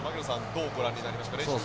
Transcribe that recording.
どうご覧になりました？